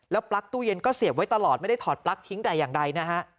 ปลั๊กตู้เย็นก็เสียบไว้ตลอดไม่ได้ถอดปลั๊กทิ้งแต่อย่างใดนะฮะ